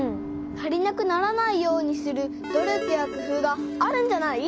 足りなくならないようにする努力やくふうがあるんじゃない？